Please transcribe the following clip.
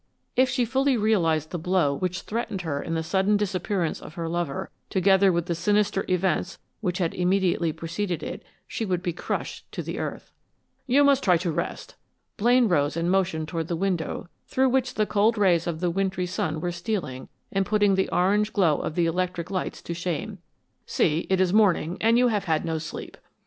If she fully realized the blow which threatened her in the sudden disappearance of her lover, together with the sinister events which had immediately preceded it, she would be crushed to the earth. "You must try to rest." Blaine rose and motioned toward the window through which the cold rays of the wintry sun were stealing and putting the orange glow of the electric lights to shame. "See. It is morning and you have had no sleep."